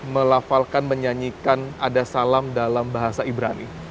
melafalkan menyanyikan ada salam dalam bahasa ibrani